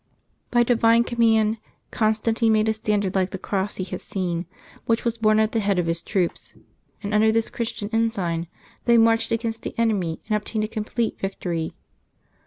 By divine command, Constantine made a standard like the cross he had seen, which was borne at the head of his troops; and under this Christian ensign they marched against the enemy, and obtained a complete victory.